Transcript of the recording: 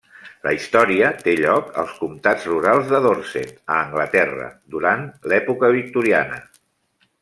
La història té lloc als comtats rurals de Dorset, a Anglaterra, durant l'època victoriana.